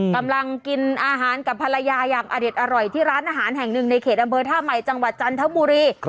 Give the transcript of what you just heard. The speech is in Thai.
กำลังกินอาหารกับภรรยาอย่างอเด็ดอร่อยที่ร้านอาหารแห่งหนึ่งในเขตอำเภอท่าใหม่จังหวัดจันทบุรี